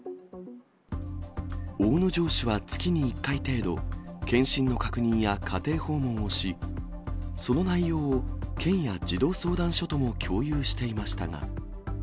大野城市は月に１回程度、検診の確認や家庭訪問をし、その内容を県や児童相談所とも共有していましたが。